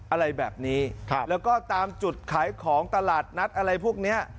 อะไรแบบนี้แล้วก็ตามจุดขายของตลาดนัดอะไรพวกเนี้ย